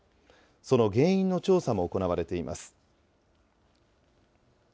その原因の調査も行われています。